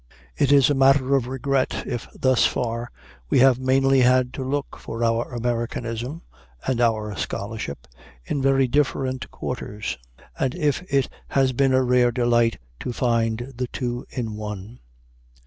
It is a matter of regret if thus far we have mainly had to look for our Americanism and our scholarship in very different quarters, and if it has been a rare delight to find the two in one.